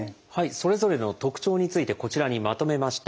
それぞれの特徴についてこちらにまとめました。